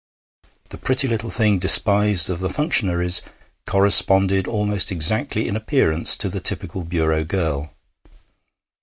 The pretty little thing despised of the functionaries corresponded almost exactly in appearance to the typical bureau girl.